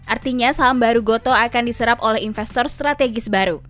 artinya saham baru goto akan diserap oleh investor strategis baru